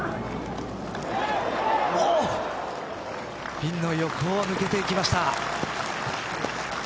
ピンの横を抜けていきました。